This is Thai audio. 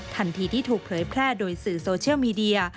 ทันทีที่ถูกเผยแพร่โดยสื่อโซเชียลมีเดีย